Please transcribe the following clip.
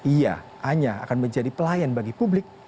ia hanya akan menjadi pelayan bagi publik